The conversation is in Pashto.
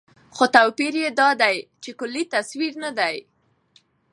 خو توپير يې دا دى، چې کلي تصور نه دى